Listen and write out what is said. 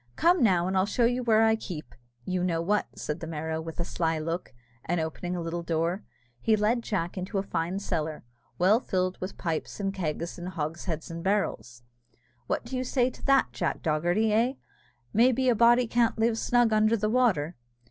"Come now, and I'll show you where I keep you know what," said the Merrow, with a sly look; and opening a little door, he led Jack into a fine cellar, well filled with pipes, and kegs, and hogsheads, and barrels. "What do you say to that, Jack Dogherty? Eh! may be a body can't live snug under the water?"